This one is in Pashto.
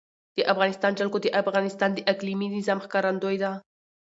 د افغانستان جلکو د افغانستان د اقلیمي نظام ښکارندوی ده.